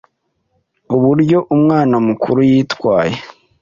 uburyo umwana mukuru yitwaye